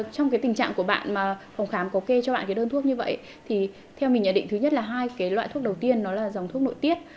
trong cái tình trạng của bạn mà phòng khám có kê cho bạn cái đơn thuốc như vậy thì theo mình nhận định thứ nhất là hai cái loại thuốc đầu tiên nó là dòng thuốc nội tiết